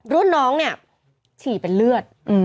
รุ่นน้องเนี่ยฉี่เป็นเลือด